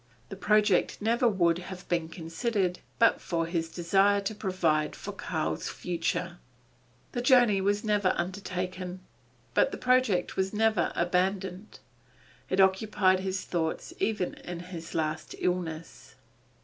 The project never would have been considered but for his desire to provide for Karl's future. The journey was never undertaken, but the project was never abandoned. It occupied his thoughts even in his last illness.